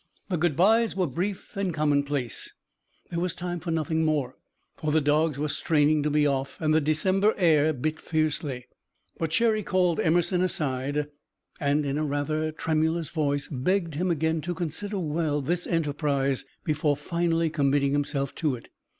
The good byes were brief and commonplace; there was time for nothing more, for the dogs were straining to be off and the December air bit fiercely. But Cherry called Emerson aside, and in a rather tremulous voice begged him again to consider well this enterprise before finally committing himself to it.